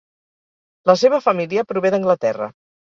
La seva família prové d'Anglaterra.